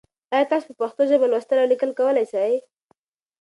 ایا تاسو په پښتو ژبه لوستل او لیکل کولای سئ؟